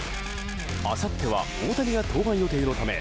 あさっては大谷が登板予定のため